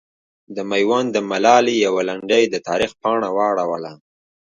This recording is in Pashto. د میوند د ملالې یوه لنډۍ د تاریخ پاڼه واړوله.